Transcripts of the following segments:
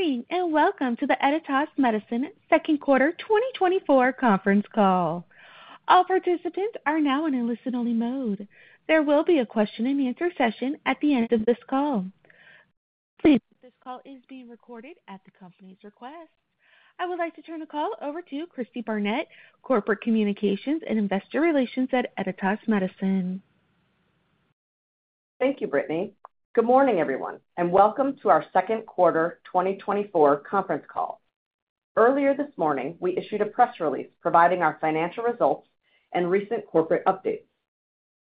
Good morning, and welcome to the Editas Medicine Second Quarter 2024 conference call. All participants are now in a listen-only mode. There will be a question-and-answer session at the end of this call. Please note, this call is being recorded at the company's request. I would like to turn the call over to Cristi Barnett, Corporate Communications and Investor Relations at Editas Medicine. Thank you, Brittany. Good morning, everyone, and welcome to our second quarter 2024 conference call. Earlier this morning, we issued a press release providing our financial results and recent corporate updates.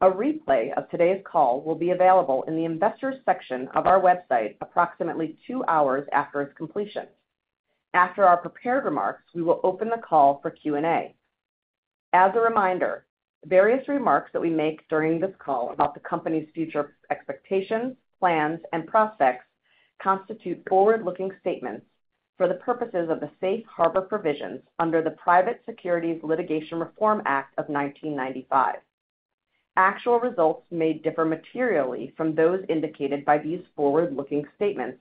A replay of today's call will be available in the Investors section of our website approximately 2 hours after its completion. After our prepared remarks, we will open the call for Q&A. As a reminder, various remarks that we make during this call about the company's future expectations, plans, and prospects constitute forward-looking statements for the purposes of the Safe Harbor Provisions under the Private Securities Litigation Reform Act of 1995. Actual results may differ materially from those indicated by these forward-looking statements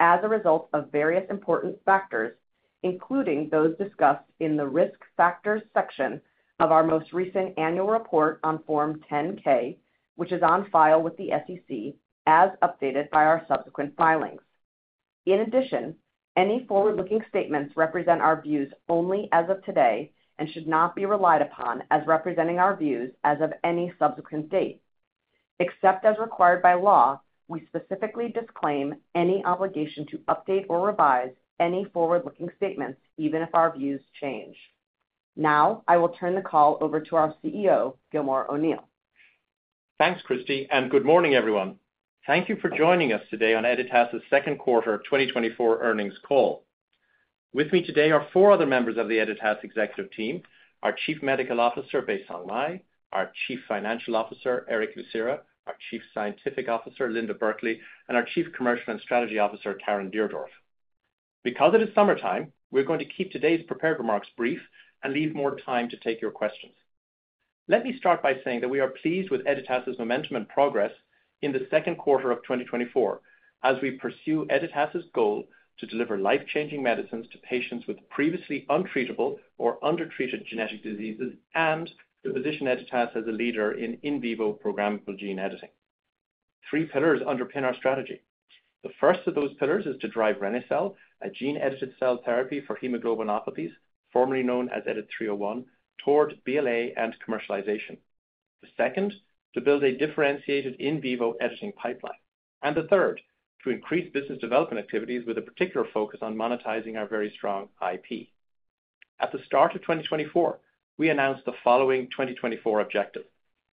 as a result of various important factors, including those discussed in the Risk Factors section of our most recent annual report on Form 10-K, which is on file with the SEC, as updated by our subsequent filings. In addition, any forward-looking statements represent our views only as of today and should not be relied upon as representing our views as of any subsequent date. Except as required by law, we specifically disclaim any obligation to update or revise any forward-looking statements, even if our views change. Now, I will turn the call over to our CEO, Gilmore O’Neill. Thanks, Cristi, and good morning, everyone. Thank you for joining us today on Editas' Second Quarter 2024 Earnings Call. With me today are four other members of the Editas executive team: Our Chief Medical Officer, Baisong Mei, our Chief Financial Officer, Erick Lucera, our Chief Scientific Officer, Linda Burkly, and our Chief Commercial and Strategy Officer, Caren Deardorf. Because it is summertime, we're going to keep today's prepared remarks brief and leave more time to take your questions. Let me start by saying that we are pleased with Editas' momentum and progress in the second quarter of 2024 as we pursue Editas' goal to deliver life-changing medicines to patients with previously untreatable or undertreated genetic diseases, and to position Editas as a leader in in vivo programmable gene editing. Three pillars underpin our strategy. The first of those pillars is to drive reni-cel, a gene-edited cell therapy for hemoglobinopathies, formerly known as EDIT-301, toward BLA and commercialization. The second, to build a differentiated in vivo editing pipeline, and the third, to increase business development activities with a particular focus on monetizing our very strong IP. At the start of 2024, we announced the following 2024 objective: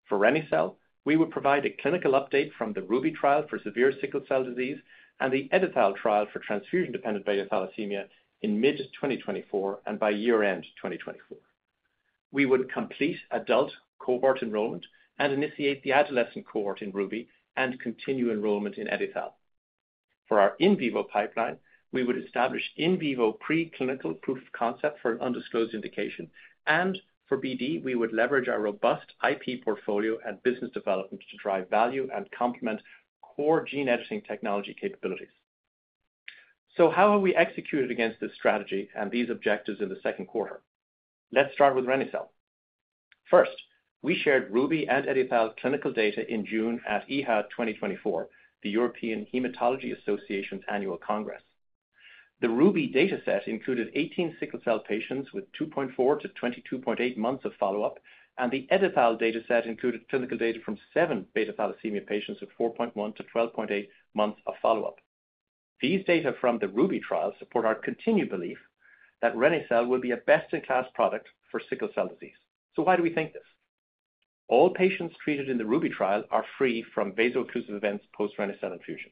For reni-cel, we would provide a clinical update from the RUBY trial for severe Sickle Cell Disease and the EdiTHAL trial for Transfusion-Dependent Beta Thalassemia in mid-2024 and by year-end 2024. We would complete adult cohort enrollment and initiate the adolescent cohort in RUBY and continue enrollment in EdiTHAL. For our in vivo pipeline, we would establish in vivo preclinical proof of concept for an undisclosed indication, and for BD, we would leverage our robust IP portfolio and business development to drive value and complement core gene editing technology capabilities. So how have we executed against this strategy and these objectives in the second quarter? Let's start with reni-cel. First, we shared RUBY and EdiTHAL clinical data in June at EHA 2024, the European Hematology Association's annual congress. The RUBY data set included 18 sickle cell patients with 2.4 months-22.8 months of follow-up, and the EdiTHAL data set included clinical data from seven beta thalassemia patients with 4.1-12.8 months of follow-up. These data from the RUBY trial support our continued belief that reni-cel will be a best-in-class product for sickle cell disease. So why do we think this? All patients treated in the RUBY trial are free from vaso-occlusive events post-reni-cel infusion.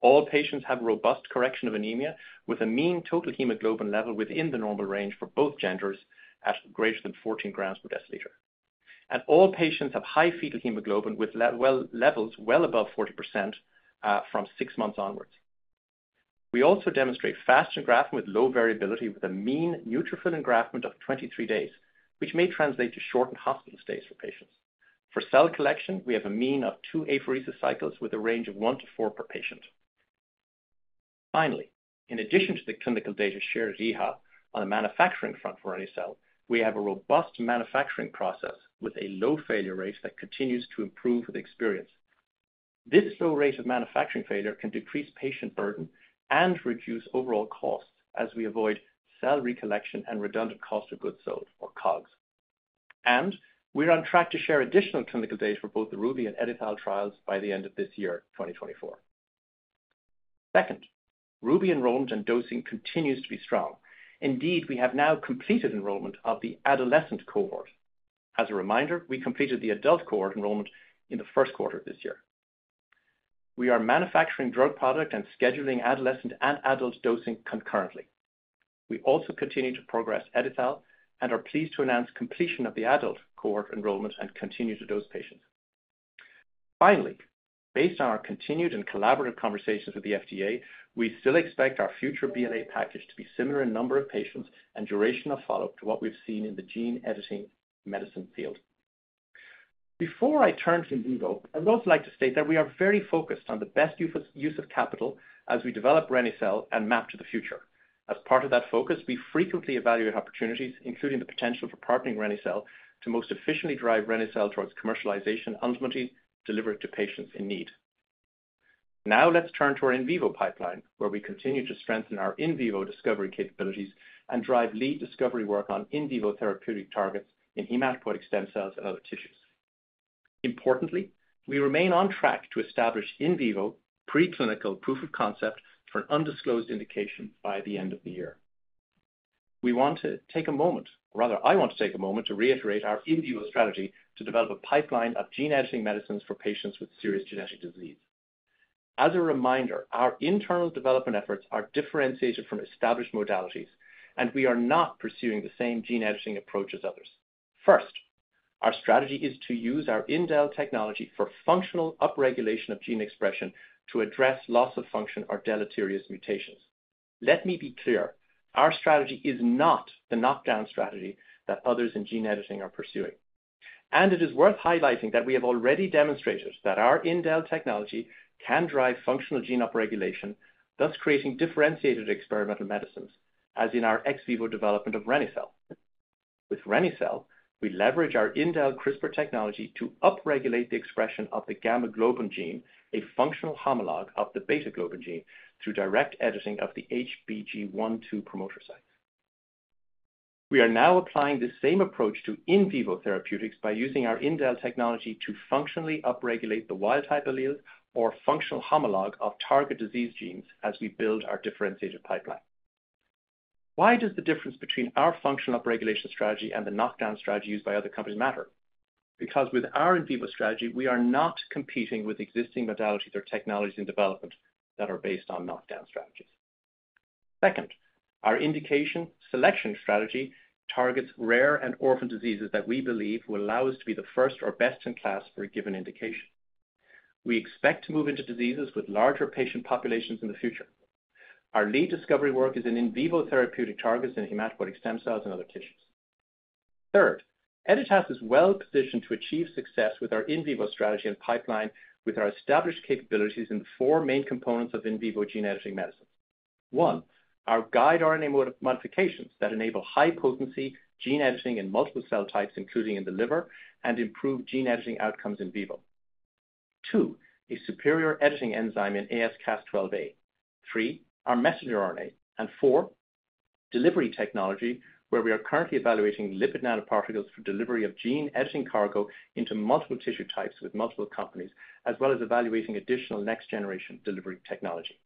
All patients have robust correction of anemia, with a mean total hemoglobin level within the normal range for both genders at greater than 14 grams per deciliter. All patients have high fetal hemoglobin, with levels well above 40% from 6 months onwards. We also demonstrate fast engraftment with low variability, with a mean neutrophil engraftment of 23 days, which may translate to shortened hospital stays for patients. For cell collection, we have a mean of 2 apheresis cycles, with a range of 1 apheresis cycle-4 apheresis cycles per patient. Finally, in addition to the clinical data shared at EHA on the manufacturing front for reni-cel, we have a robust manufacturing process with a low failure rate that continues to improve with experience. This low rate of manufacturing failure can decrease patient burden and reduce overall costs as we avoid cell recollection and redundant cost of goods sold, or COGS. We're on track to share additional clinical data for both the RUBY and EdiTHAL trials by the end of this year, 2024. Second, RUBY enrollment and dosing continues to be strong. Indeed, we have now completed enrollment of the adolescent cohort. As a reminder, we completed the adult cohort enrollment in the first quarter of this year. We are manufacturing drug product and scheduling adolescent and adult dosing concurrently. We also continue to progress EdiTHAL and are pleased to announce completion of the adult cohort enrollment and continue to dose patients. Finally, based on our continued and collaborative conversations with the FDA, we still expect our future BLA package to be similar in number of patients and duration of follow-up to what we've seen in the gene editing medicine field. Before I turn to in vivo, I'd also like to state that we are very focused on the best use of capital as we develop reni-cel and map to the future. As part of that focus, we frequently evaluate opportunities, including the potential for partnering reni-cel, to most efficiently drive reni-cel towards commercialization, ultimately deliver it to patients in need. Now let's turn to our in vivo pipeline, where we continue to strengthen our in vivo discovery capabilities and drive lead discovery work on in vivo therapeutic targets in hematopoietic stem cells and other tissues. Importantly, we remain on track to establish in vivo preclinical proof of concept for an undisclosed indication by the end of the year. We want to take a moment, rather, I want to take a moment to reiterate our in vivo strategy to develop a pipeline of gene editing medicines for patients with serious genetic disease. As a reminder, our internal development efforts are differentiated from established modalities, and we are not pursuing the same gene editing approach as others. First, our strategy is to use our indel technology for functional upregulation of gene expression to address loss of function or deleterious mutations. Let me be clear: Our strategy is not the knockdown strategy that others in gene editing are pursuing. And it is worth highlighting that we have already demonstrated that our indel technology can drive functional gene upregulation, thus creating differentiated experimental medicines, as in our ex vivo development of reni-cel. With reni-cel, we leverage our indel CRISPR technology to upregulate the expression of the gamma globin gene, a functional homologue of the beta globin gene, through direct editing of the HBG1/2 promoter site. We are now applying the same approach to in vivo therapeutics by using our indel technology to functionally upregulate the wild type alleles or functional homologue of target disease genes as we build our differentiated pipeline. Why does the difference between our functional upregulation strategy and the knockdown strategy used by other companies matter? Because with our in vivo strategy, we are not competing with existing modalities or technologies in development that are based on knockdown strategies. Second, our indication selection strategy targets rare and orphan diseases that we believe will allow us to be the first or best in class for a given indication. We expect to move into diseases with larger patient populations in the future. Our lead discovery work is in in vivo therapeutic targets in hematopoietic stem cells and other tissues. Third, Editas is well positioned to achieve success with our in vivo strategy and pipeline with our established capabilities in the four main components of in vivo gene editing medicines. One, our guide RNA modifications that enable high-potency gene editing in multiple cell types, including in the liver, and improved gene editing outcomes in vivo. Two, a superior editing enzyme in AsCas12a. Three, our messenger RNA. Four, delivery technology, where we are currently evaluating lipid nanoparticles for delivery of gene editing cargo into multiple tissue types with multiple companies, as well as evaluating additional next-generation delivery technology.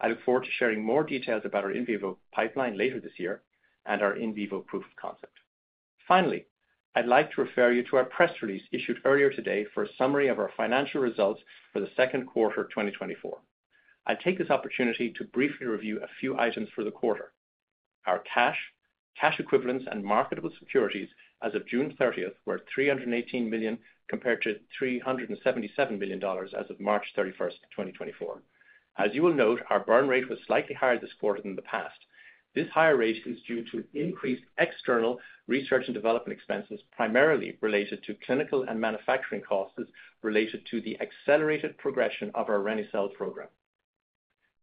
I look forward to sharing more details about our in vivo pipeline later this year and our in vivo proof of concept. Finally, I'd like to refer you to our press release issued earlier today for a summary of our financial results for the second quarter of 2024. I take this opportunity to briefly review a few items for the quarter. Our cash, cash equivalents, and marketable securities as of June 30 were $318 million, compared to $377 million as of March 31, 2024. As you will note, our burn rate was slightly higher this quarter than the past. This higher rate is due to increased external research and development expenses, primarily related to clinical and manufacturing costs related to the accelerated progression of our reni-cel program.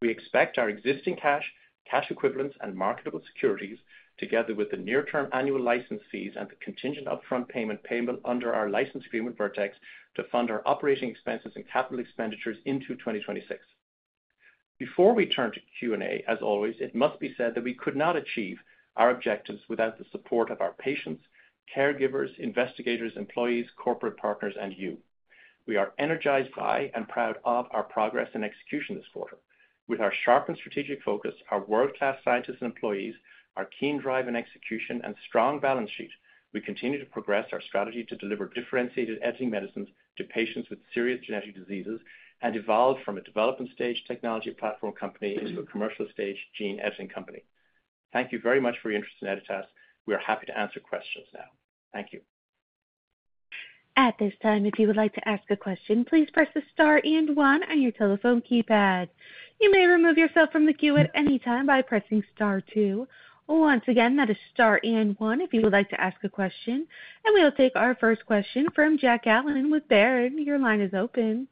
We expect our existing cash, cash equivalents, and marketable securities, together with the near-term annual license fees and the contingent upfront payment, payment under our license agreement with Vertex, to fund our operating expenses and capital expenditures into 2026. Before we turn to Q&A, as always, it must be said that we could not achieve our objectives without the support of our patients, caregivers, investigators, employees, corporate partners, and you. We are energized by and proud of our progress and execution this quarter. With our sharp and strategic focus, our world-class scientists and employees, our keen drive and execution, and strong balance sheet, we continue to progress our strategy to deliver differentiated editing medicines to patients with serious genetic diseases, and evolve from a development stage technology platform company into a commercial stage gene editing company. Thank you very much for your interest in Editas. We are happy to answer questions now. Thank you. At this time, if you would like to ask a question, please press star and one on your telephone keypad. You may remove yourself from the queue at any time by pressing star two. Once again, that is star and one if you would like to ask a question, and we will take our first question from Jack Allen with Baird. Your line is open.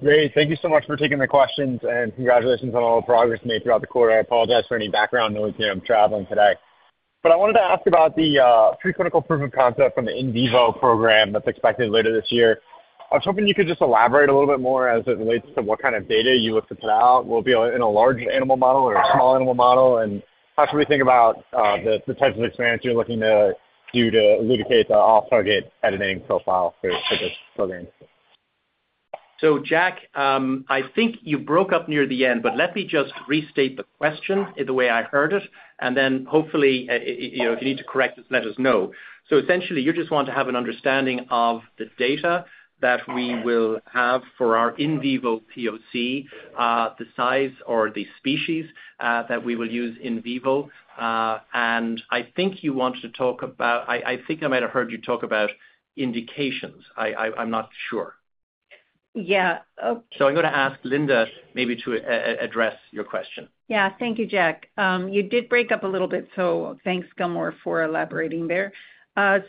Great. Thank you so much for taking the questions, and congratulations on all the progress made throughout the quarter. I apologize for any background noise here. I'm traveling today. But I wanted to ask about the preclinical proof of concept from the in vivo program that's expected later this year. I was hoping you could just elaborate a little bit more as it relates to what kind of data you look to put out, will it be in a large animal model or a small animal model? And how should we think about the types of experiments you're looking to do to elucidate the off-target editing profile for this program? So, Jack, I think you broke up near the end, but let me just restate the question in the way I heard it, and then hopefully, you know, if you need to correct this, let us know. So essentially, you just want to have an understanding of the data that we will have for our in vivo POC, the size or the species, that we will use in vivo. And I think you want to talk about, I think I may have heard you talk about indications. I'm not sure. Yeah. So I'm gonna ask Linda maybe to address your question. Yeah, thank you, Jack. You did break up a little bit, so thanks, Gilmore, for elaborating there.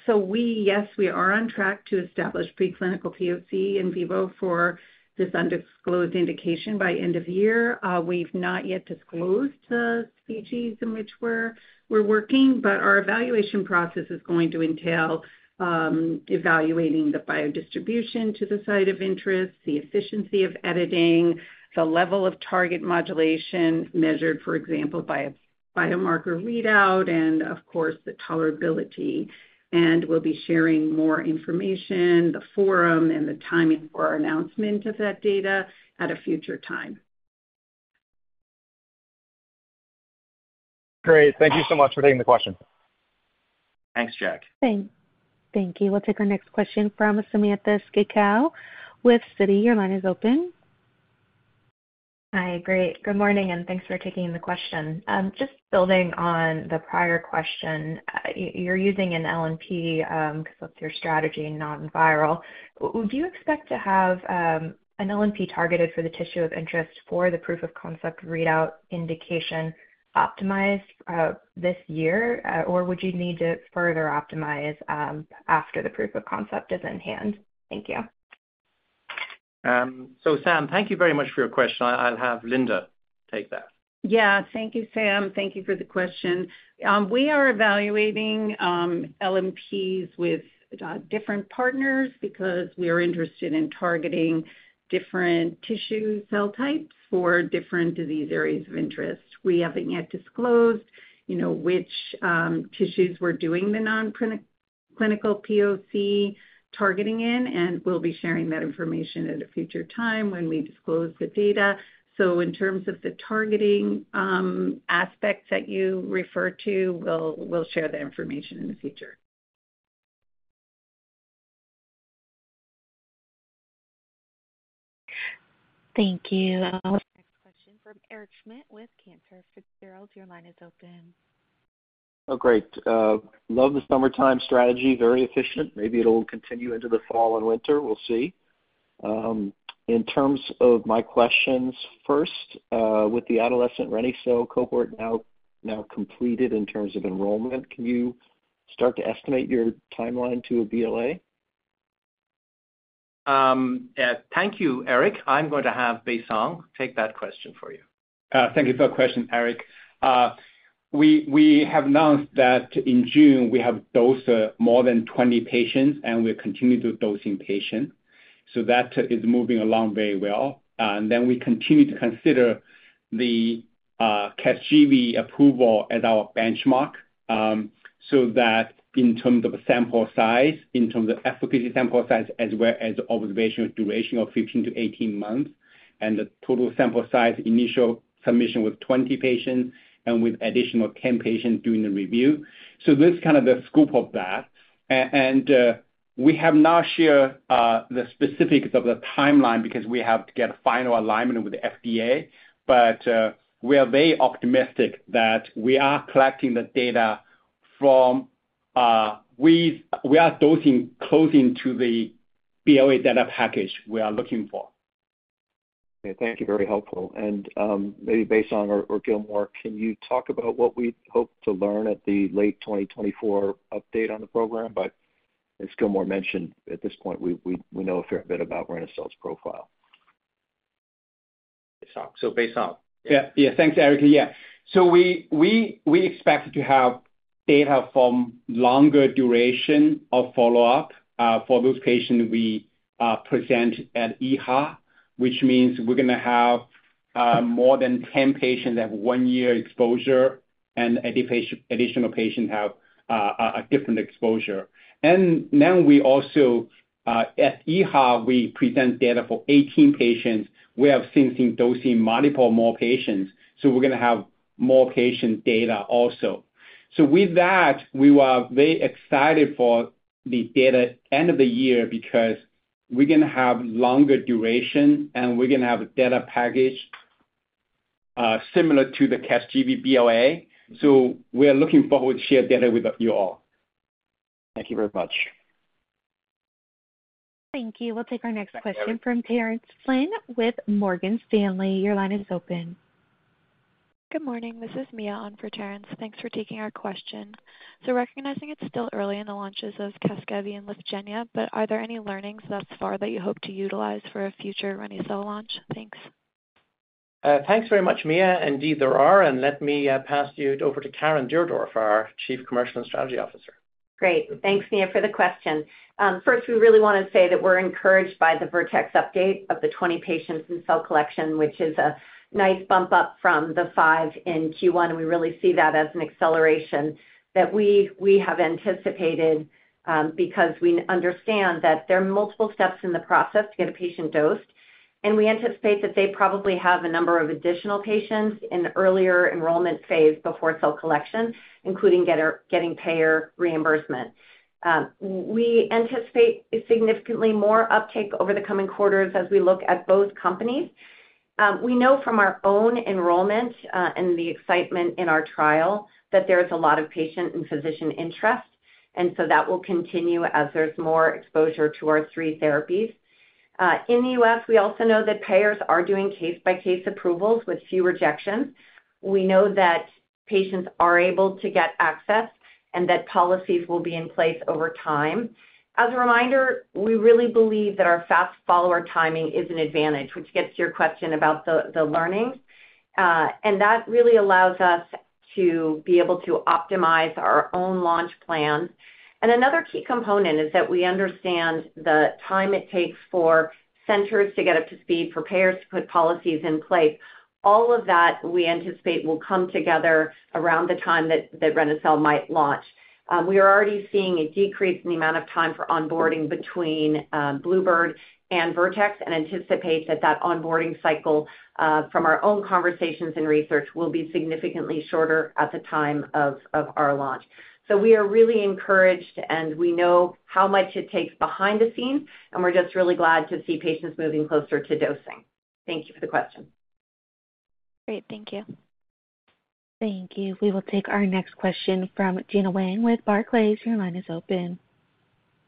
So yes, we are on track to establish preclinical POC in vivo for this undisclosed indication by end of year. We've not yet disclosed the species in which we're working, but our evaluation process is going to entail evaluating the biodistribution to the site of interest, the efficiency of editing, the level of target modulation measured, for example, by a biomarker readout, and of course, the tolerability. We'll be sharing more information, the forum, and the timing for our announcement of that data at a future time. Great. Thank you so much for taking the question. Thanks, Jack. Thank you. We'll take our next question from Samantha Semenkow with Citi. Your line is open. Hi, great. Good morning, and thanks for taking the question. Just building on the prior question, you're using an LNP, 'cause that's your strategy, non-viral. Would you expect to have an LNP targeted for the tissue of interest for the proof of concept readout indication optimized this year? Or would you need to further optimize after the proof of concept is in hand? Thank you. Sam, thank you very much for your question. I, I'll have Linda take that. Yeah, thank you, Sam. Thank you for the question. We are evaluating LNPs with different partners because we are interested in targeting different tissue cell types for different disease areas of interest. We haven't yet disclosed, you know, which tissues we're doing the non-clinical clinical POC targeting in, and we'll be sharing that information at a future time when we disclose the data. So in terms of the targeting aspects that you refer to, we'll share that information in the future. Thank you. Next question from Eric Schmidt with Cantor Fitzgerald. Your line is open. Oh, great. Love the summertime strategy. Very efficient. Maybe it'll continue into the fall and winter. We'll see. In terms of my questions, first, with the adolescent reni-cel cohort now completed in terms of enrollment, can you start to estimate your timeline to a BLA? Thank you, Eric. I'm going to have Baisong take that question for you. Thank you for that question, Eric. We, we have announced that in June, we have dosed more than 20 patients, and we're continuing to dosing patients, so that is moving along very well. And then we continue to consider the Casgevy approval as our benchmark, so that in terms of sample size, in terms of efficacy sample size, as well as observation duration of 15-18 months, and the total sample size, initial submission with 20 patients and with additional 10 patients during the review. So this is kind of the scope of that. And we have not shared the specifics of the timeline because we have to get a final alignment with the FDA, but we are very optimistic that we are collecting the data from which we are dosing close to the BLA data package we are looking for. Okay, thank you. Very helpful, and maybe Baisong or Gilmore, can you talk about what we hope to learn at the late 2024 update on the program? But as Gilmore mentioned, at this point, we know a fair bit about reni-cel's profile. Baisong. So Baisong. Yeah. Yeah, thanks, Eric. Yeah. So we expect to have data from longer duration of follow-up for those patients we present at EHA, which means we're gonna have more than 10 patients have 1 year exposure, and additional patients have a different exposure. And then we also at EHA, we present data for 18 patients. We have since been dosing multiple more patients, so we're gonna have more patient data also. So with that, we are very excited for the data end of the year because we're gonna have longer duration, and we're gonna have a data package similar to the Casgevy BLA, so we are looking forward to share data with you all. Thank you very much. Thank you. We'll take our next question- Thanks, Eric. - from Terence Flynn with Morgan Stanley. Your line is open. Good morning, this is Mia on for Terence. Thanks for taking our question. So recognizing it's still early in the launches of Casgevy and Lyfgenia, but are there any learnings thus far that you hope to utilize for a future reni-cel launch? Thanks. Thanks very much, Mia. Indeed, there are, and let me pass you over to Caren Deardorf, our Chief Commercial and Strategy Officer. Great. Thanks, Mia, for the question. First, we really want to say that we're encouraged by the Vertex update of the 20 patients in cell collection, which is a nice bump up from the 5 in Q1, and we really see that as an acceleration that we have anticipated, because we understand that there are multiple steps in the process to get a patient dosed. We anticipate that they probably have a number of additional patients in the earlier enrollment phase before cell collection, including getting payer reimbursement. We anticipate significantly more uptake over the coming quarters as we look at both companies. We know from our own enrollment and the excitement in our trial, that there is a lot of patient and physician interest, and so that will continue as there's more exposure to our three therapies. In the U.S., we also know that payers are doing case-by-case approvals with few rejections. We know that patients are able to get access and that policies will be in place over time. As a reminder, we really believe that our fast follower timing is an advantage, which gets to your question about the learning. And that really allows us to be able to optimize our own launch plan. And another key component is that we understand the time it takes for centers to get up to speed, for payers to put policies in place. All of that, we anticipate, will come together around the time that reni-cel might launch. We are already seeing a decrease in the amount of time for onboarding between Bluebird and Vertex, and anticipate that onboarding cycle from our own conversations and research will be significantly shorter at the time of our launch. So we are really encouraged, and we know how much it takes behind the scenes, and we're just really glad to see patients moving closer to dosing. Thank you for the question. Great, thank you. Thank you. We will take our next question from Gena Wang with Barclays. Your line is open.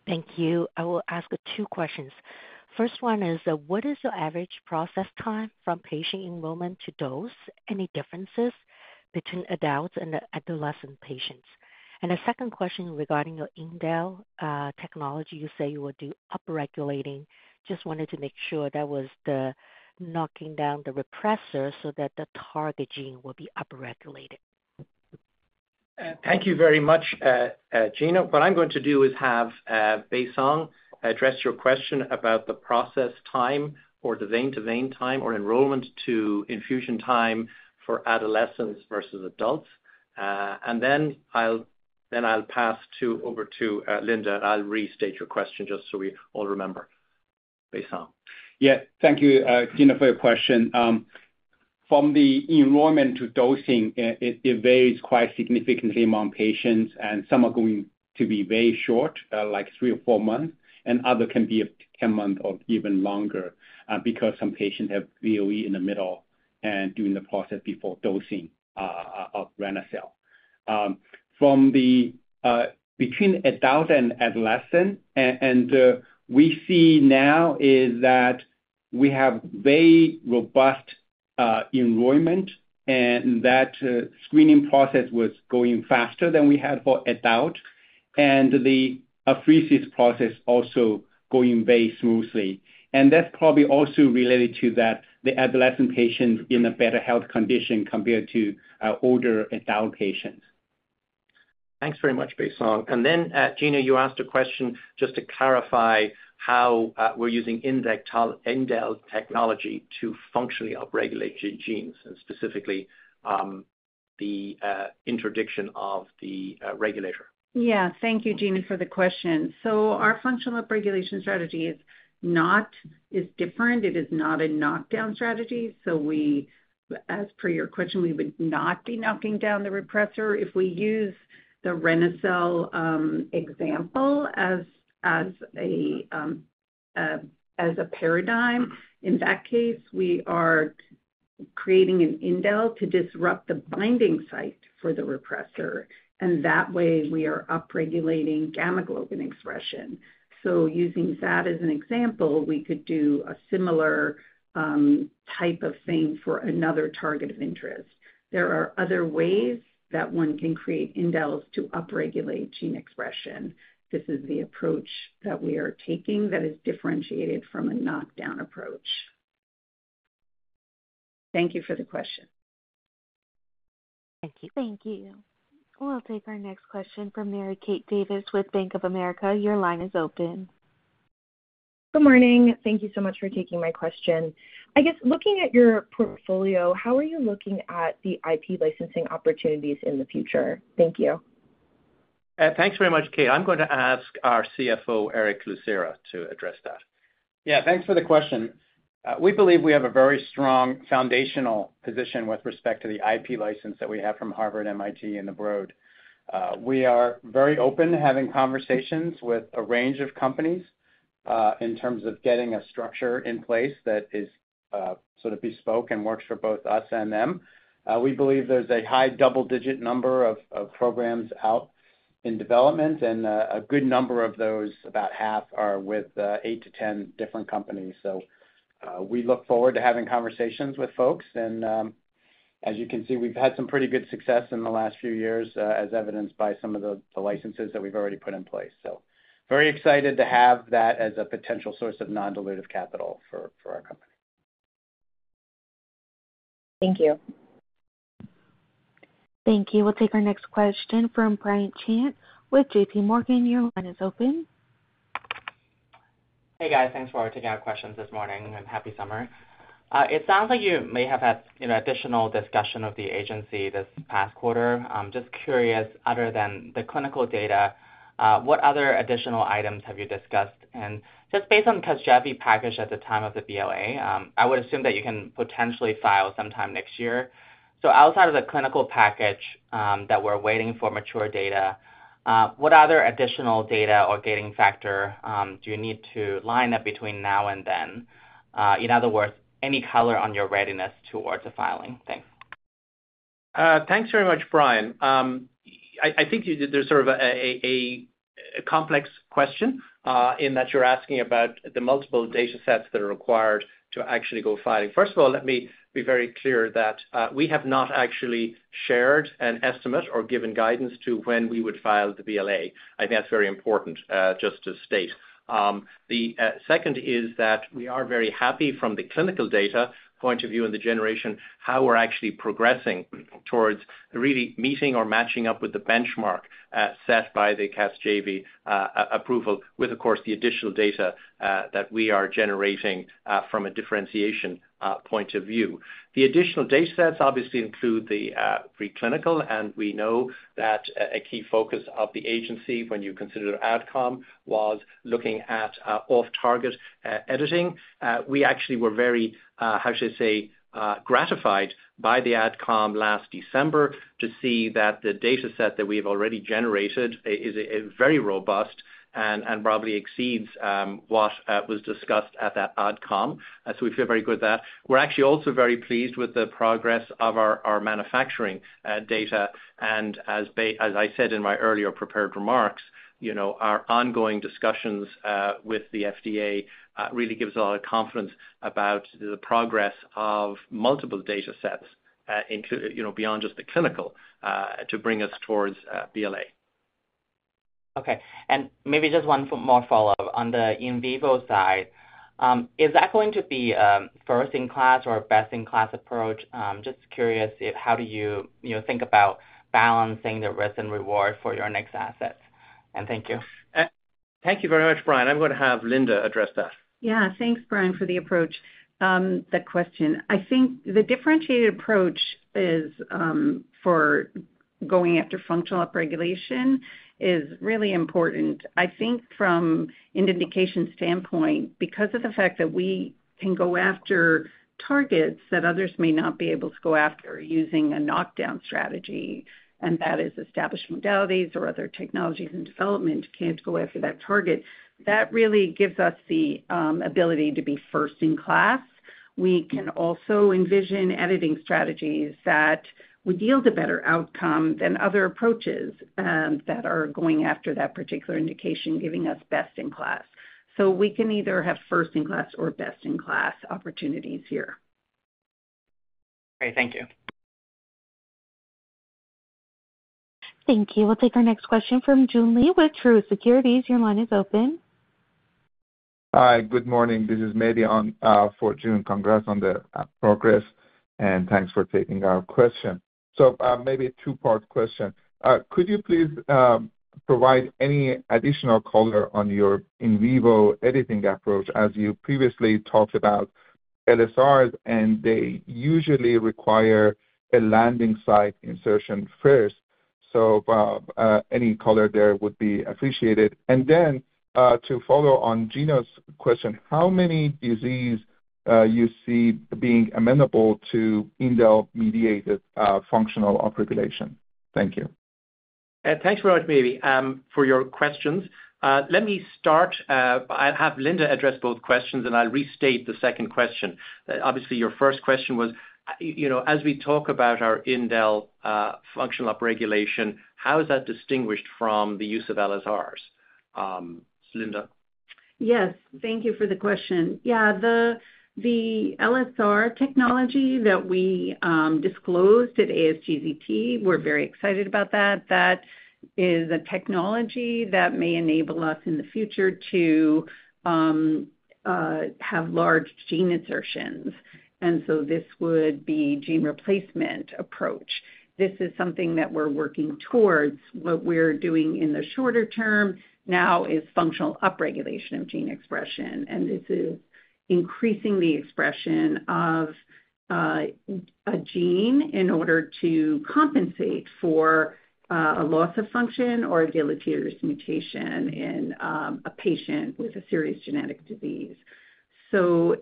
Thank you. I will ask two questions. First one is, what is your average process time from patient enrollment to dose? Any differences between adults and adolescent patients? And a second question regarding your indel technology. You say you will do upregulating. Just wanted to make sure that was the knocking down the repressor so that the target gene will be upregulated. Thank you very much, Gena. What I'm going to do is have Baisong address your question about the process time or the vein to vein time, or enrollment to infusion time for adolescents versus adults. And then I'll pass over to Linda, and I'll restate your question just so we all remember. Baisong? Yeah. Thank you, Gena, for your question. From the enrollment to dosing, it varies quite significantly among patients, and some are going to be very short, like three or four months, and others can be up to 10 months or even longer, because some patients have VOE in the middle and during the process before dosing, of reni-cel. From the between adult and adolescent, and, and, we see now is that we have very robust enrollment, and that screening process was going faster than we had for adult, and the apheresis process also going very smoothly. And that's probably also related to that the adolescent patients in a better health condition compared to older adult patients. Thanks very much, Baisong. And then, Gena, you asked a question just to clarify how we're using indel technology to functionally upregulate genes and specifically, the interdiction of the regulator. Yeah. Thank you, Gena, for the question. So our functional upregulation strategy is not, is different. It is not a knockdown strategy, so we, as per your question, would not be knocking down the repressor. If we use the reni-cel example as a paradigm, in that case, we are creating an indel to disrupt the binding site for the repressor, and that way we are upregulating gamma globin expression. So using that as an example, we could do a similar type of thing for another target of interest. There are other ways that one can create indels to upregulate gene expression. This is the approach that we are taking that is differentiated from a knockdown approach. Thank you for the question. Thank you. Thank you. We'll take our next question from Mary Kate Daly with Bank of America. Your line is open. Good morning. Thank you so much for taking my question. I guess looking at your portfolio, how are you looking at the IP licensing opportunities in the future? Thank you. Thanks very much, Kate. I'm going to ask our CFO, Erick Lucera, to address that. Yeah, thanks for the question. We believe we have a very strong foundational position with respect to the IP license that we have from Harvard, MIT, and the Broad. We are very open to having conversations with a range of companies, in terms of getting a structure in place that is, sort of bespoke and works for both us and them. We believe there's a high double-digit number of programs out in development, and a good number of those, about half, are with 8 to 10 different companies. So, we look forward to having conversations with folks, and, as you can see, we've had some pretty good success in the last few years, as evidenced by some of the licenses that we've already put in place. So very excited to have that as a potential source of non-dilutive capital for, for our company. Thank you. Thank you. We'll take our next question from Brian Cheng with J.P. Morgan. Your line is open. Hey, guys. Thanks for taking our questions this morning, and happy summer. It sounds like you may have had, you know, additional discussion of the agency this past quarter. Just curious, other than the clinical data, what other additional items have you discussed? And just based on Casgevy package at the time of the BLA, I would assume that you can potentially file sometime next year. So outside of the clinical package, that we're waiting for mature data, what other additional data or gating factor do you need to line up between now and then? In other words, any color on your readiness towards the filing? Thanks. Thanks very much, Brian. I think you did. There's sort of a complex question, in that you're asking about the multiple data sets that are required to actually go filing. First of all, let me be very clear that we have not actually shared an estimate or given guidance to when we would file the BLA. I think that's very important, just to state. The second is that we are very happy from the clinical data point of view and the generation, how we're actually progressing towards really meeting or matching up with the benchmark set by the Casgevy approval, with, of course, the additional data that we are generating from a differentiation point of view. The additional data sets obviously include the preclinical, and we know that a key focus of the agency when you consider outcome was looking at off-target editing. We actually were very how should I say gratified by the outcome last December to see that the data set that we've already generated is a very robust and probably exceeds what was discussed at that outcome. So we feel very good with that. We're actually also very pleased with the progress of our manufacturing data. And as I said in my earlier prepared remarks, you know, our ongoing discussions with the FDA really gives us a lot of confidence about the progress of multiple data sets into, you know, beyond just the clinical to bring us towards BLA. Okay. And maybe just one more follow-up. On the in vivo side, is that going to be first in class or best in class approach? Just curious if how do you, you know, think about balancing the risk and reward for your next assets? And thank you. Thank you very much, Brian. I'm going to have Linda address that. Yeah. Thanks, Brian, for the approach, the question. I think the differentiated approach is for going after functional upregulation is really important. I think from an indication standpoint, because of the fact that we can go after targets that others may not be able to go after using a knockdown strategy, and that is established modalities or other technologies in development can't go after that target, that really gives us the ability to be first in class. We can also envision editing strategies that would yield a better outcome than other approaches that are going after that particular indication, giving us best in class. So we can either have first in class or best in class opportunities here. Great. Thank you. Thank you. We'll take our next question from Joon Lee with Truist Securities. Your line is open. Hi, good morning. This is Mehdi on for Joon. Congrats on the progress, and thanks for taking our question. So, maybe a two-part question. Could you please provide any additional color on your in vivo editing approach, as you previously talked about LSRs, and they usually require a landing site insertion first? So, any color there would be appreciated. And then, to follow on Joon's question, how many disease you see being amenable to indel-mediated functional upregulation? Thank you. Thanks very much, Mehdi, for your questions. Let me start. I'll have Linda address both questions, and I'll restate the second question. Obviously, your first question was, you know, as we talk about our indel, functional upregulation, how is that distinguished from the use of LSRs? Linda? Yes. Thank you for the question. Yeah, the LSR technology that we disclosed at ASGCT, we're very excited about that. That is a technology that may enable us in the future to have large gene insertions, and so this would be gene replacement approach. This is something that we're working towards. What we're doing in the shorter term now is functional upregulation of gene expression, and this is increasing the expression of a gene in order to compensate for a loss of function or a deleterious mutation in a patient with a serious genetic disease. So,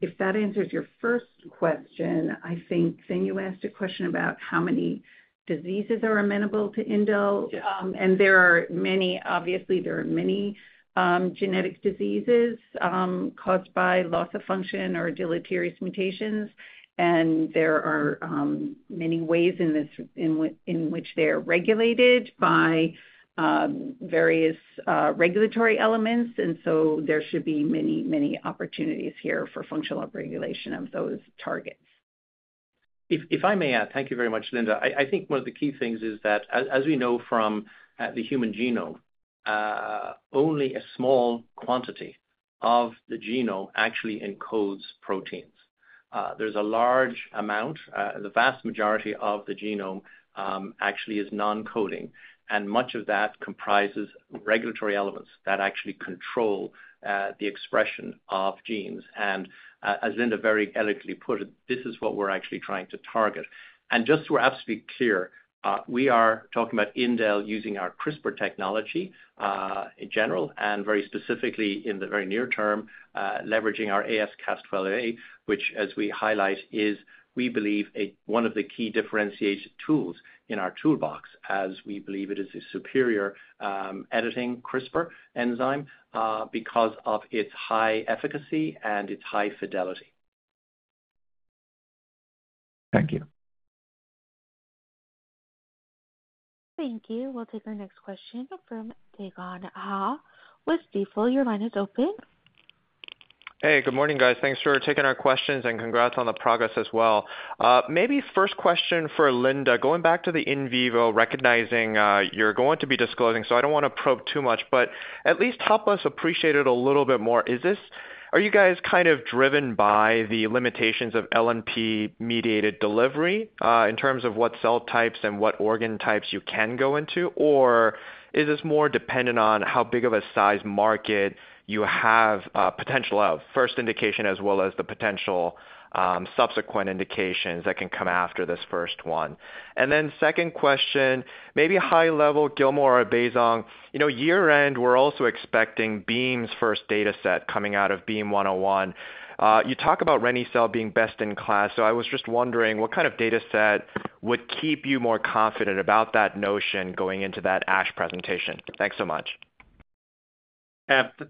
if that answers your first question, I think then you asked a question about how many diseases are amenable to indel. And there are many, obviously, genetic diseases caused by loss of function or deleterious mutations, and there are many ways in which they are regulated by various regulatory elements, and so there should be many, many opportunities here for functional upregulation of those targets. If I may add, thank you very much, Linda. I think one of the key things is that as we know from the human genome, only a small quantity of the genome actually encodes proteins. There's a large amount, the vast majority of the genome actually is non-coding, and much of that comprises regulatory elements that actually control the expression of genes. And as Linda very eloquently put it, this is what we're actually trying to target. Just so we're absolutely clear, we are talking about indel using our CRISPR technology in general, and very specifically in the very near term, leveraging our AsCas12a, which as we highlight, is, we believe, one of the key differentiation tools in our toolbox, as we believe it is a superior editing CRISPR enzyme because of its high efficacy and its high fidelity. Thank you. Thank you. We'll take our next question from Dae Gon Ha with Stifel. Your line is open. Hey, good morning, guys. Thanks for taking our questions and congrats on the progress as well. Maybe first question for Linda. Going back to the in vivo, recognizing you're going to be disclosing, so I don't want to probe too much, but at least help us appreciate it a little bit more. Is this—Are you guys kind of driven by the limitations of LNP-mediated delivery in terms of what cell types and what organ types you can go into? Or is this more dependent on how big of a size market you have potential of, first indication as well as the potential subsequent indications that can come after this first one? And then second question, maybe high level, Gilmore or Baisong, you know, year-end, we're also expecting Beam's first data set coming out of Beam 101. You talk about reni-cel being best in class, so I was just wondering, what kind of data set would keep you more confident about that notion going into that ASH presentation? Thanks so much.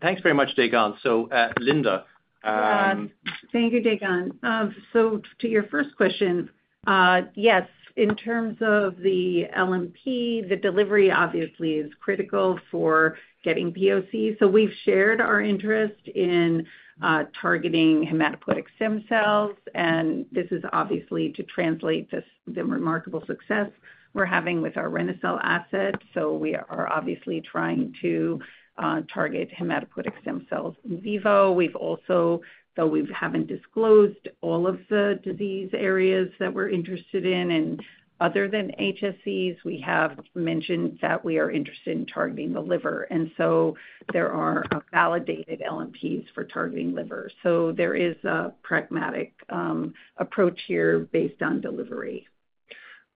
Thanks very much, Dae Gon. So, Linda. Thank you, Dae Gon. So to your first question, yes, in terms of the LNP, the delivery obviously is critical for getting POC. So we've shared our interest in targeting hematopoietic stem cells, and this is obviously to translate this, the remarkable success we're having with our reni-cel assets. So we are obviously trying to target hematopoietic stem cells in vivo. We've also, though we haven't disclosed all of the disease areas that we're interested in, and other than HSCs, we have mentioned that we are interested in targeting the liver, and so there are validated LNPs for targeting liver. So there is a pragmatic approach here based on delivery.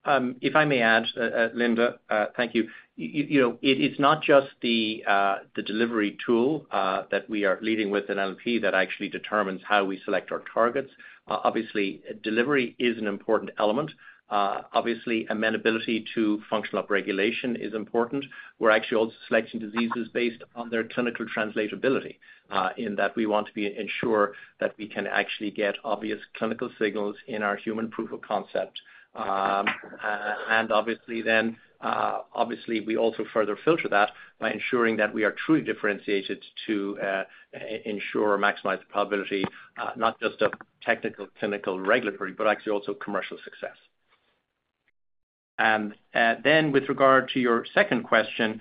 If I may add, Linda, thank you. You know, it is not just the delivery tool that we are leading with an LNP that actually determines how we select our targets. Obviously, delivery is an important element. Obviously, amendability to functional upregulation is important. We're actually also selecting diseases based on their clinical translatability, in that we want to ensure that we can actually get obvious clinical signals in our human proof of concept. And obviously then, obviously, we also further filter that by ensuring that we are truly differentiated to ensure or maximize the probability, not just of technical, clinical, regulatory, but actually also commercial success. Then with regard to your second question,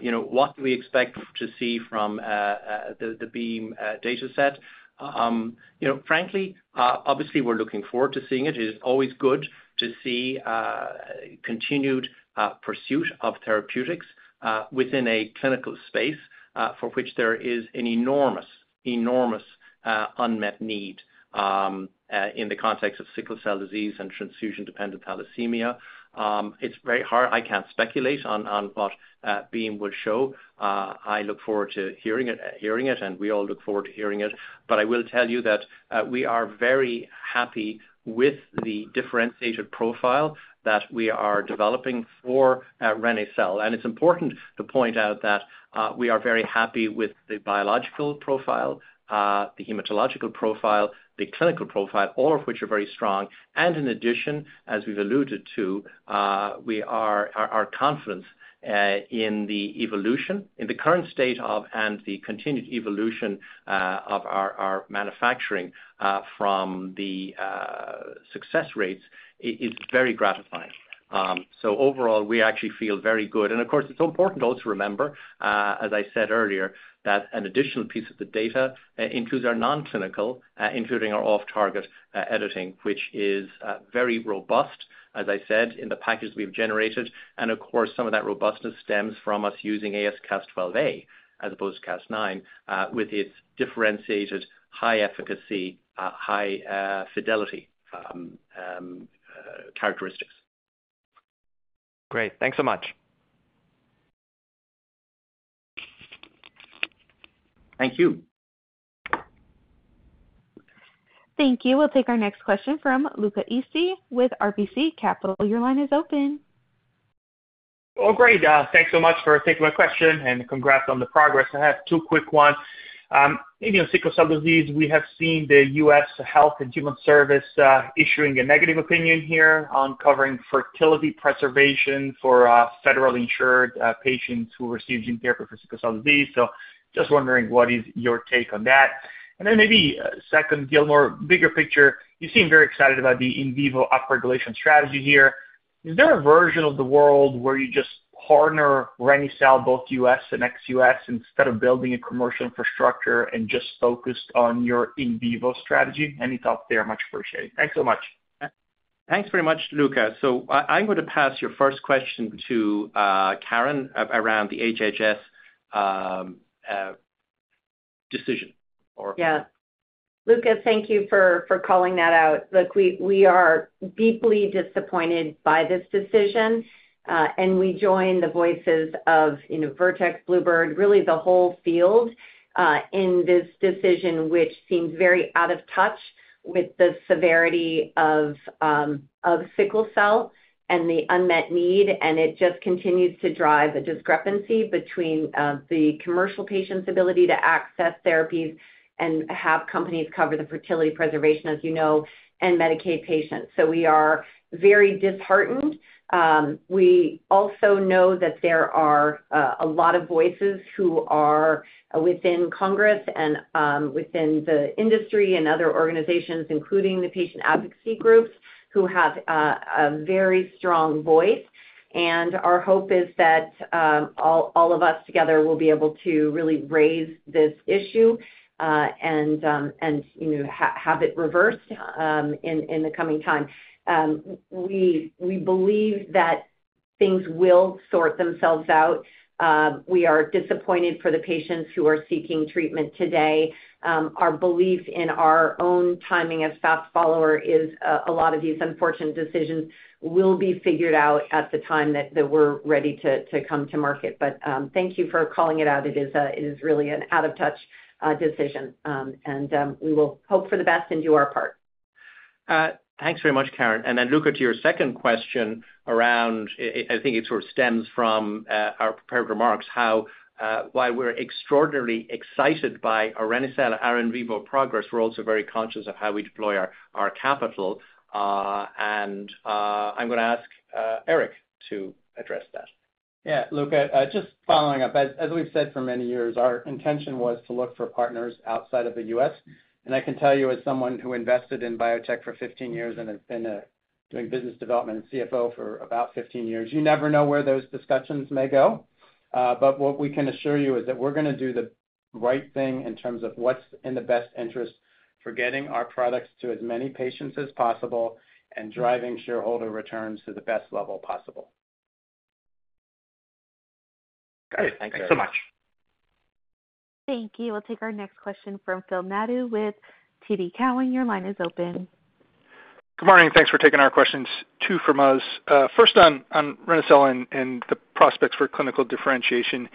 you know, what do we expect to see from the Beam data set? You know, frankly, obviously, we're looking forward to seeing it. It is always good to see continued pursuit of therapeutics within a clinical space for which there is an enormous, enormous unmet need in the context of sickle cell disease and transfusion-dependent thalassemia. It's very hard. I can't speculate on what Beam would show. I look forward to hearing it, hearing it, and we all look forward to hearing it. But I will tell you that we are very happy with the differentiated profile that we are developing for reni-cel. It's important to point out that we are very happy with the biological profile, the hematological profile, the clinical profile, all of which are very strong. And in addition, as we've alluded to, we are confident in the evolution, in the current state of, and the continued evolution of our manufacturing from the success rates is very gratifying. So overall, we actually feel very good. And of course, it's important though to remember, as I said earlier, that an additional piece of the data includes our non-clinical, including our off-target editing, which is very robust, as I said, in the package we've generated. Of course, some of that robustness stems from us using AsCas12a as opposed to Cas9, with its differentiated high efficacy, high fidelity characteristics. Great. Thanks so much. Thank you. Thank you. We'll take our next question from Luca Issi with RBC Capital. Your line is open. Oh, great. Thanks so much for taking my question, and congrats on the progress. I have two quick ones. Maybe on sickle cell disease, we have seen the U.S. Department of Health and Human Services issuing a negative opinion here on covering fertility preservation for federally insured patients who receive gene therapy for sickle cell disease. So just wondering, what is your take on that? And then maybe second, Gilmore, bigger picture, you seem very excited about the in vivo upregulation strategy here. Is there a version of the world where you just partner reni-cel, both U.S. and ex-U.S., instead of building a commercial infrastructure and just focus on your in vivo strategy? Any thoughts there are much appreciated. Thanks so much. Thanks very much, Luca. So I, I'm going to pass your first question to Caren around the HHS decision. Yeah. Luca, thank you for calling that out. Look, we are deeply disappointed by this decision, and we join the voices of, you know, Vertex, Bluebird, really the whole field, in this decision, which seems very out of touch with the severity of sickle cell and the unmet need. And it just continues to drive a discrepancy between the commercial patients' ability to access therapies and have companies cover the fertility preservation, as you know, and Medicaid patients. So we are very disheartened. We also know that there are a lot of voices who are within Congress and within the industry and other organizations, including the patient advocacy groups, who have a very strong voice. And our hope is that all of us together will be able to really raise this issue, and, you know, have it reversed in the coming time. We believe that things will sort themselves out. We are disappointed for the patients who are seeking treatment today. Our belief in our own timing as fast follower is a lot of these unfortunate decisions will be figured out at the time that we're ready to come to market. But thank you for calling it out. It is really an out of touch decision. And we will hope for the best and do our part. Thanks very much, Caren. And then, Luca, to your second question around... I think it sort of stems from our prepared remarks, how why we're extraordinarily excited by reni-cel in vivo progress. We're also very conscious of how we deploy our capital, and I'm gonna ask Erick to address that. Yeah, Luca, just following up. As we've said for many years, our intention was to look for partners outside of the U.S. And I can tell you, as someone who invested in biotech for 15 years and has been doing business development and CFO for about 15 years, you never know where those discussions may go. But what we can assure you is that we're gonna do the right thing in terms of what's in the best interest for getting our products to as many patients as possible, and driving shareholder returns to the best level possible. Great. Thanks so much. Thank you. We'll take our next question from Phil Nadeau with TD Cowen. Your line is open. Good morning, thanks for taking our questions, two from us. First on, on reni-cel and, and the prospects for clinical differentiation,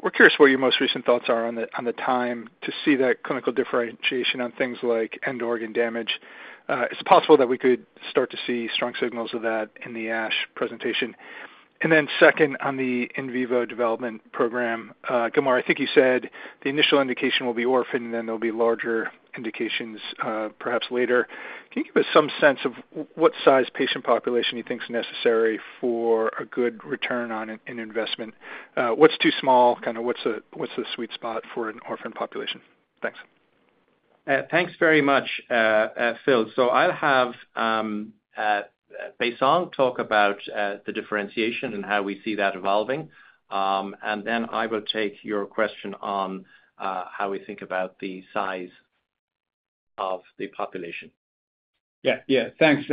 we're curious what your most recent thoughts are on the, on the time to see that clinical differentiation on things like end organ damage. Is it possible that we could start to see strong signals of that in the ASH presentation? And then second, on the in vivo development program, gamma, I think you said the initial indication will be orphan, and then there'll be larger indications, perhaps later. Can you give us some sense of what size patient population you think is necessary for a good return on an, an investment? What's too small? Kinda what's the, what's the sweet spot for an orphan population? Thanks. Thanks very much, Phil. So I'll have Baisong talk about the differentiation and how we see that evolving. And then I will take your question on how we think about the size of the population. Yeah. Yeah, thanks,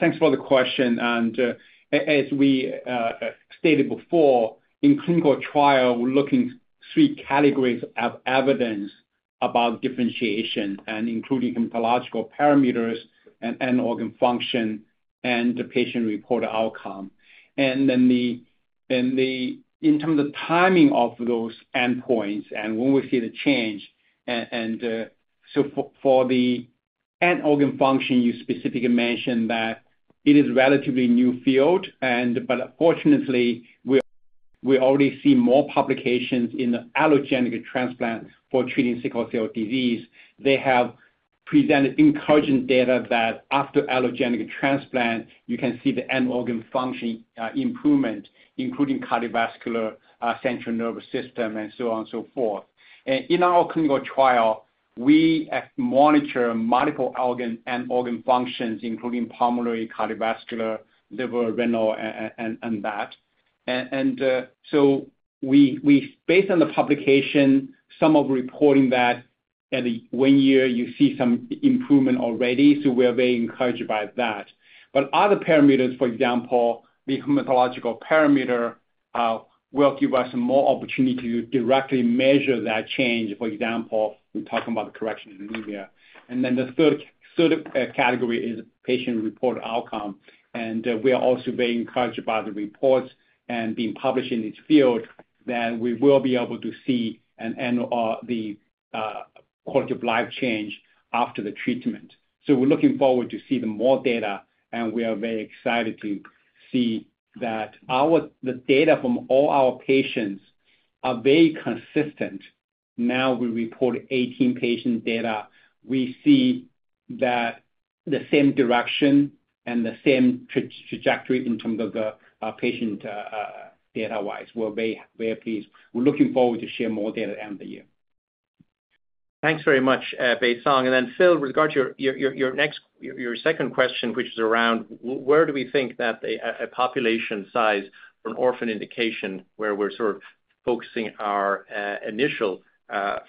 thanks for the question. And, as we stated before, in clinical trial, we're looking three categories of evidence about differentiation, and including hematological parameters and end organ function, and the patient-reported outcome. And then the, then the-- in terms of timing of those endpoints and when we see the change, and, so for, for the end organ function, you specifically mentioned that it is relatively new field, and but fortunately, we already see more publications in the allogeneic transplant for treating sickle cell disease. They have presented encouraging data that after allogeneic transplant, you can see the end organ function improvement, including cardiovascular, central nervous system, and so on and so forth. And in our clinical trial, we monitor multiple organ and organ functions, including pulmonary, cardiovascular, liver, renal, and, and that. Based on the publication, some are reporting that at one year you see some improvement already, so we are very encouraged by that. But other parameters, for example, the hematological parameter, will give us more opportunity to directly measure that change, for example, we're talking about the correction in anemia. And then the third category is patient-reported outcome, and we are also very encouraged by the reports and being published in this field, that we will be able to see the quality of life change after the treatment. So we're looking forward to see the more data, and we are very excited to see that our data from all our patients are very consistent. Now, we report 18 patient data. We see that the same direction and the same trajectory in terms of the patient data-wise. We're very, very pleased. We're looking forward to share more data at the end of the year. Thanks very much, Baisong. And then, Phil, with regard to your second question, which is around where do we think that a population size for an orphan indication, where we're sort of focusing our initial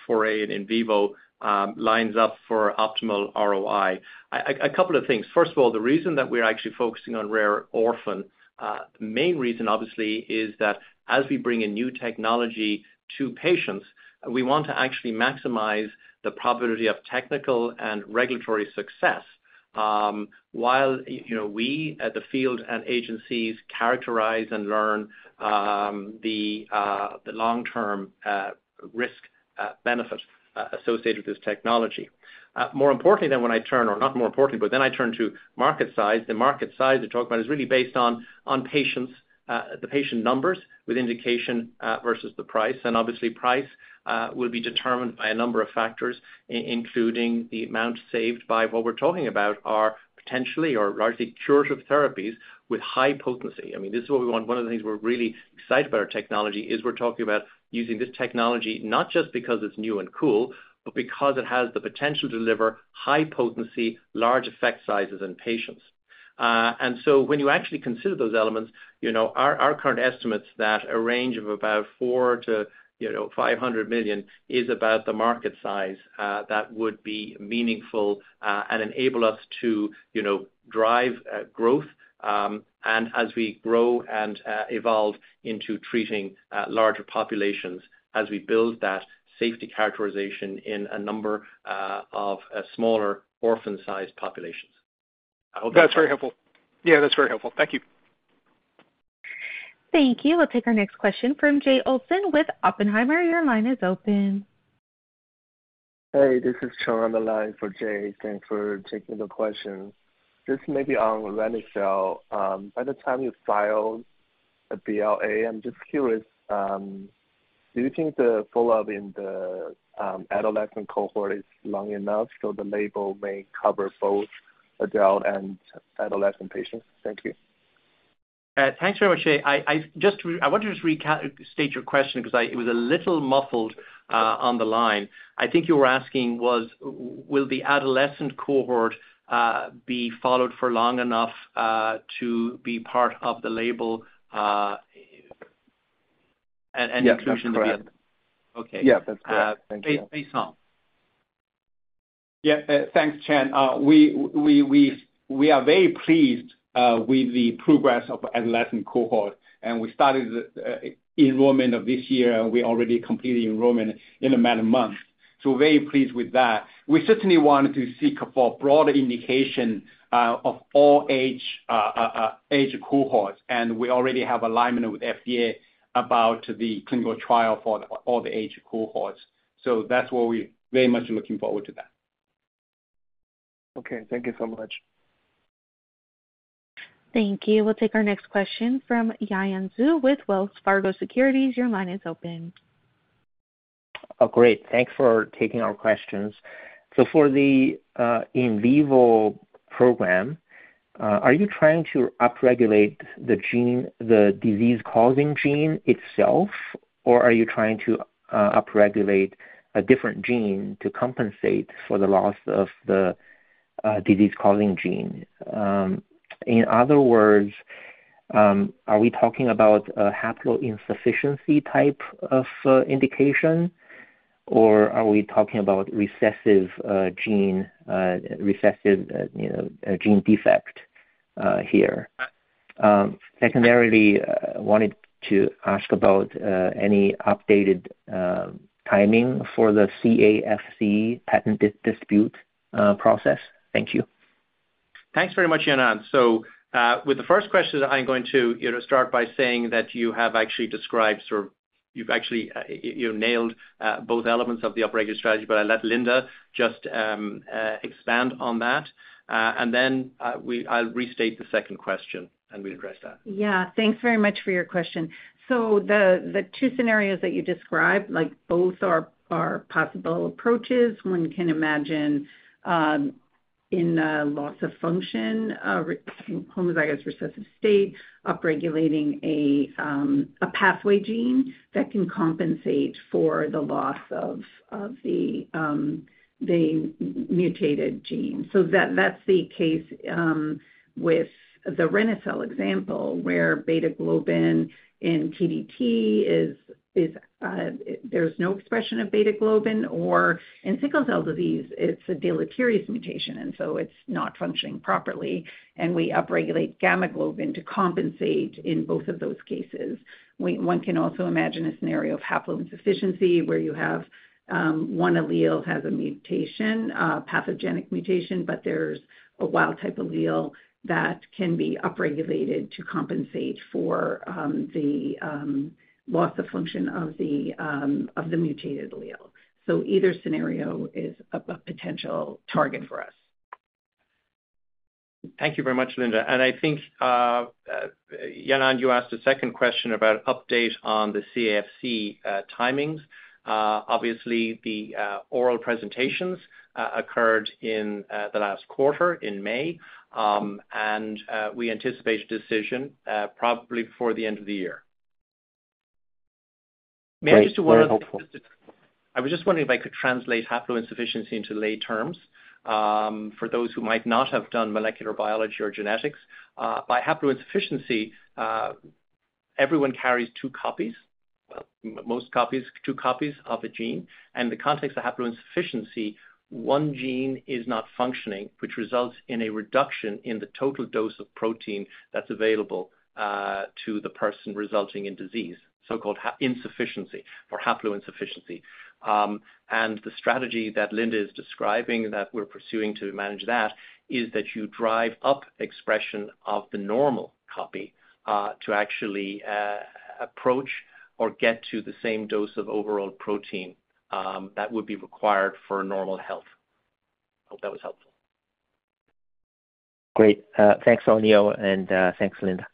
foray in vivo, lines up for optimal ROI? A couple of things. First of all, the reason that we're actually focusing on rare orphan, the main reason, obviously, is that as we bring in new technology to patients, we want to actually maximize the probability of technical and regulatory success, while, you know, we at the field and agencies characterize and learn, the long-term risk benefit associated with this technology. More importantly, that when I turn, or not more importantly, but then I turn to market size. The market size we're talking about is really based on patients, the patient numbers with indication versus the price. And obviously, price will be determined by a number of factors, including the amount saved by what we're talking about are potentially or largely curative therapies with high potency. I mean, this is what we want. One of the things we're really excited about our technology is we're talking about using this technology, not just because it's new and cool, but because it has the potential to deliver high potency, large effect sizes in patients. And so when you actually consider those elements, you know, our current estimates that a range of about $400 million-$500 million is about the market size, that would be meaningful and enable us to, you know, drive growth, and as we grow and evolve into treating larger populations, as we build that safety characterization in a number of smaller orphan-sized populations. I hope that's- That's very helpful. Yeah, that's very helpful. Thank you. Thank you. We'll take our next question from Jay Olson with Oppenheimer. Your line is open. Hey, this is Chen on the line for Jay. Thanks for taking the question. This may be on reni-cel. By the time you file a BLA, I'm just curious, do you think the follow-up in the adolescent cohort is long enough so the label may cover both adult and adolescent patients? Thank you. Thanks very much, Jay. I just want to restate your question because I—It was a little muffled on the line. I think you were asking, will the adolescent cohort be followed for long enough to be part of the label and inclusion? Yes, that's correct. Okay. Yeah, that's correct. Thank you. Please, Baisong. Yeah, thanks, Chen. We are very pleased with the progress of adolescent cohort, and we started the enrollment of this year, and we already completed enrollment in a matter of months, so we're very pleased with that. We certainly want to seek for broader indication of all age age cohorts, and we already have alignment with FDA about the clinical trial for all the age cohorts. So that's where we very much are looking forward to that. Okay, thank you so much. Thank you. We'll take our next question from Yanan Zhu with Wells Fargo Securities. Your line is open. Oh, great. Thanks for taking our questions. So for the in vivo program, are you trying to upregulate the gene, the disease-causing gene itself, or are you trying to upregulate a different gene to compensate for the loss of the disease-causing gene? In other words, are we talking about a haploinsufficiency type of indication, or are we talking about recessive gene, you know, gene defect here? Secondarily, wanted to ask about any updated timing for the CAFC patent dispute process. Thank you. Thanks very much, Yanan. So, with the first question, I'm going to, you know, start by saying that you have actually described, or you've actually, you nailed both elements of the upregulated strategy, but I'll let Linda just expand on that. And then, I'll restate the second question, and we'll address that. Yeah, thanks very much for your question. So the two scenarios that you described, like both are possible approaches. One can imagine in a loss of function homozygous recessive state, upregulating a pathway gene that can compensate for the loss of the mutated gene. So that's the case with the reni-cel example, where beta globin in TDT is, there's no expression of beta globin, or in sickle cell disease, it's a deleterious mutation, and so it's not functioning properly, and we upregulate gamma globin to compensate in both of those cases. One can also imagine a scenario of haploinsufficiency, where you have one allele has a mutation, a pathogenic mutation, but there's a wild type allele that can be upregulated to compensate for the of the loss of function of the of the mutated allele. So either scenario is a potential target for us. Thank you very much, Linda. I think, Yanan, you asked a second question about update on the Casgevy timings. Obviously, the oral presentations occurred in the last quarter in May, and we anticipate a decision probably before the end of the year. Great. Very helpful. May I just. I was just wondering if I could translate haploinsufficiency into lay terms, for those who might not have done molecular biology or genetics. By haploinsufficiency, everyone carries two copies of a gene, and in the context of haploinsufficiency, one gene is not functioning, which results in a reduction in the total dose of protein that's available, to the person, resulting in disease, so-called insufficiency or haploinsufficiency. And the strategy that Linda is describing, that we're pursuing to manage that, is that you drive up expression of the normal copy, to actually approach or get to the same dose of overall protein, that would be required for normal health. Hope that was helpful. Great. Thanks, O'Neill, and thanks, Linda.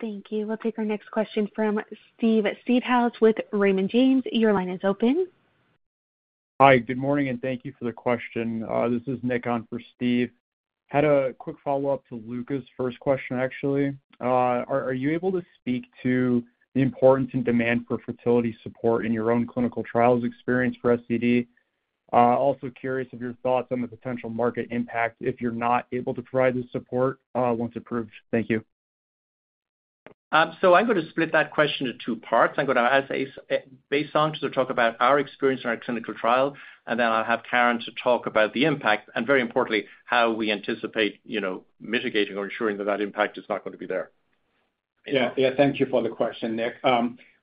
Thank you. We'll take our next question from Steve. Steve Seedhouse with Raymond James, your line is open. Hi, good morning, and thank you for the question. This is Nick on for Steve. Had a quick follow-up to Luca's first question, actually. Are you able to speak to the importance and demand for fertility support in your own clinical trials experience for SCD? Also curious of your thoughts on the potential market impact if you're not able to provide the support, once approved. Thank you. So I'm going to split that question into two parts. I'm going to ask Baisong to talk about our experience in our clinical trial, and then I'll have Caren to talk about the impact, and very importantly, how we anticipate, you know, mitigating or ensuring that that impact is not going to be there. Yeah. Yeah, thank you for the question, Nick.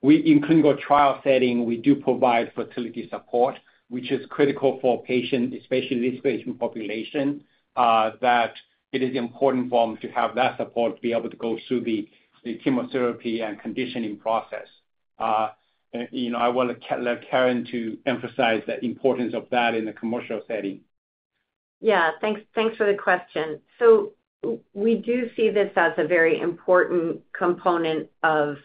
We, in clinical trial setting, we do provide fertility support, which is critical for patients, especially this patient population, that it is important for them to have that support to be able to go through the, the chemotherapy and conditioning process. You know, I want to let Caren to emphasize the importance of that in the commercial setting. Yeah. Thanks, thanks for the question. So we do see this as a very important component of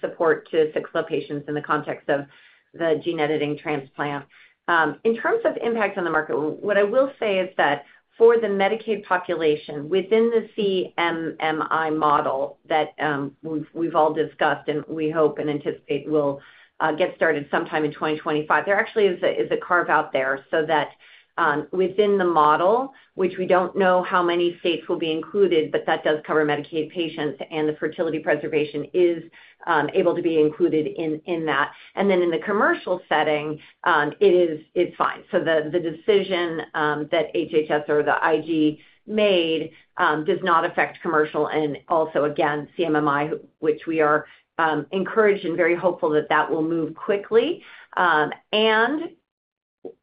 support to sickle cell patients in the context of the gene editing transplant. In terms of impact on the market, what I will say is that for the Medicaid population, within the CMMI model that we've all discussed and we hope and anticipate will get started sometime in 2025, there actually is a carve-out there, so that within the model, which we don't know how many states will be included, but that does cover Medicaid patients, and the fertility preservation is able to be included in that. And then in the commercial setting, it is, it's fine. So the decision that HHS or the IG made does not affect commercial and also, again, CMMI, which we are encouraged and very hopeful that that will move quickly. And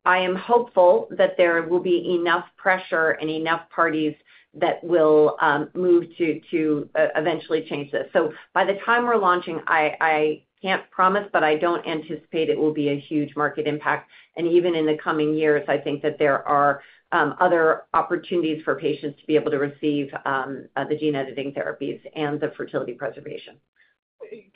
I am hopeful that there will be enough pressure and enough parties that will move to eventually change this. So by the time we're launching, I can't promise, but I don't anticipate it will be a huge market impact. And even in the coming years, I think that there are other opportunities for patients to be able to receive the gene editing therapies and the fertility preservation.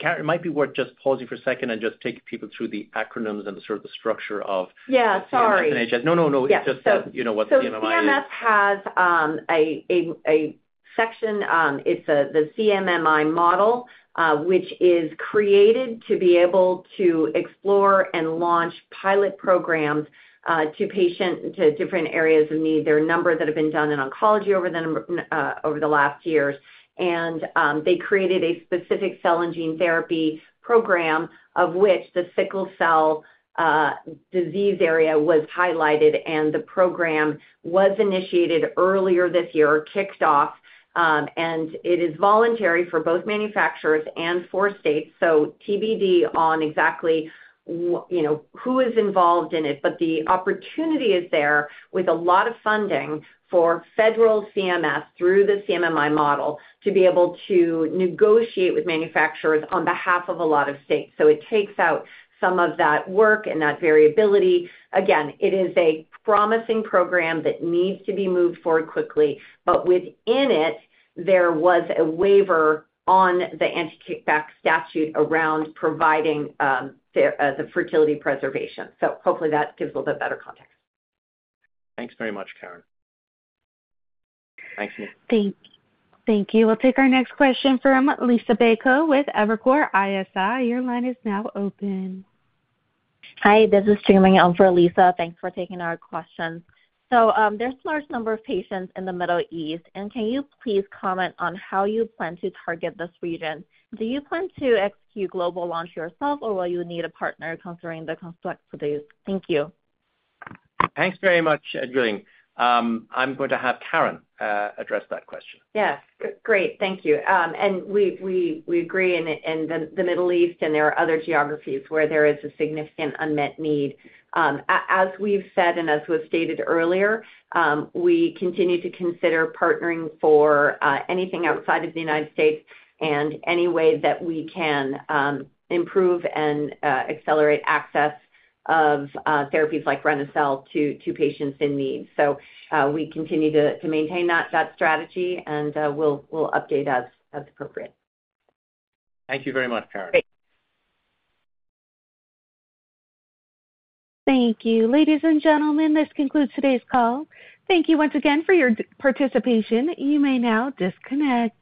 Caren, it might be worth just pausing for a second and just taking people through the acronyms and the sort of the structure of... Yeah, sorry. No, no, no. Yeah. It's just that, you know, what CMMI is. So CMS has a section, it's the CMMI model, which is created to be able to explore and launch pilot programs to patients, to different areas of need. There are a number that have been done in oncology over the last years. They created a specific cell and gene therapy program, of which the sickle cell disease area was highlighted, and the program was initiated earlier this year, kicked off, and it is voluntary for both manufacturers and for states, so TBD on exactly, you know, who is involved in it. But the opportunity is there, with a lot of funding, for federal CMS, through the CMMI model, to be able to negotiate with manufacturers on behalf of a lot of states. So it takes out some of that work and that variability. Again, it is a promising program that needs to be moved forward quickly, but within it, there was a waiver on the Anti-Kickback Statute around providing the fertility preservation. So hopefully that gives a little bit better context. Thanks very much, Caren. Thanks, Nick. Thank you. We'll take our next question from Liisa Bayko with Evercore ISI. Your line is now open. Hi, this is Jingming on for Lisa. Thanks for taking our question. There's a large number of patients in the Middle East, and can you please comment on how you plan to target this region? Do you plan to execute global launch yourself, or will you need a partner considering the complexities? Thank you. Thanks very much, Jing. I'm going to have Caren address that question. Yes. Great. Thank you. We agree, in the Middle East, and there are other geographies where there is a significant unmet need. As we've said and as was stated earlier, we continue to consider partnering for anything outside of the United States and any way that we can improve and accelerate access of therapies like reni-cel to patients in need. We continue to maintain that strategy, and we'll update as appropriate. Thank you very much, Caren. Great. Thank you. Ladies and gentlemen, this concludes today's call. Thank you once again for your participation. You may now disconnect.